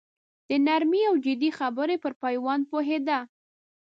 د نرمې او جدي خبرې پر پېوند پوهېده.